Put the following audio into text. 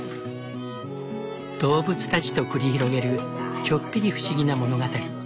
動物たちと繰り広げるちょっぴり不思議な物語。